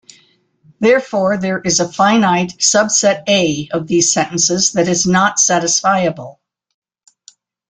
Therefore, there is a finite subset "A" of these sentences that is not satisfiable.